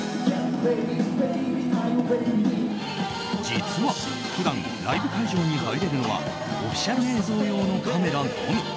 実は、普段ライブ会場に入れるのはオフィシャル映像用のカメラのみ。